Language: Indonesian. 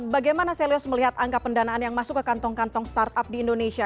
bagaimana celius melihat angka pendanaan yang masuk ke kantong kantong startup di indonesia